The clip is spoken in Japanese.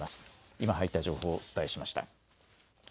今入った情報をお伝えしました。